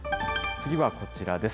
次はこちらです。